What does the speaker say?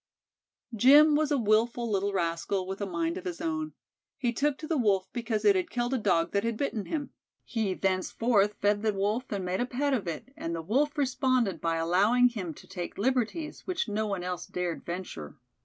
Jim was a wilful little rascal with a mind of his own. He took to the Wolf because it had killed a Dog that had bitten him. He thenceforth fed the Wolf and made a pet of it, and the Wolf responded by allowing him to take liberties which no one else dared venture.